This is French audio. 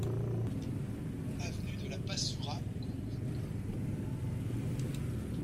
Avenue de la Passoura, Kourou